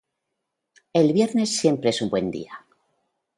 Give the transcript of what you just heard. El viernes siempre es un buen día.